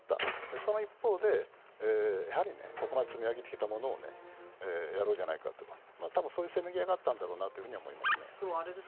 その中でやはり、ここまで積み上げてきたものをやろうじゃないかと多分、そういうせめぎ合いだったんじゃないかと思います。